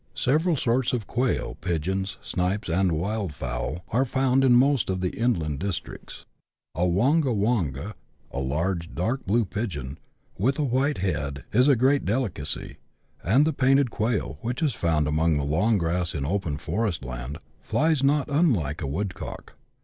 Several sorts of quail, pigeons, snipes, and wildfowl are found in most of the inland districts. The wonga wonga, a large, dark blue pigeon, with a white head, is a great delicacy, and the painted quail, which is found among the long grass in " open forest " land, flies not unlike a woodcock.